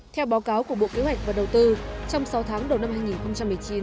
theo báo cáo của bộ kế hoạch và đầu tư trong sáu tháng đầu năm hai nghìn một mươi chín